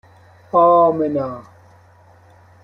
آمنا